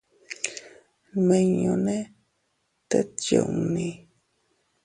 Nmiñune tet yunni.